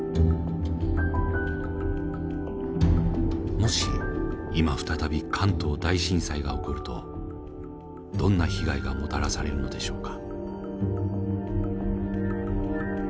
もし今再び関東大震災が起こるとどんな被害がもたらされるのでしょうか。